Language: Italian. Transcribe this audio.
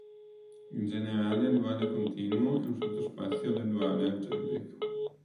In generale il duale continuo è un sottospazio del duale algebrico.